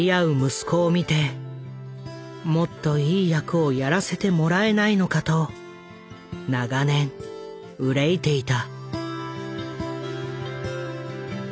息子を見てもっといい役をやらせてもらえないのかと長年憂いていた。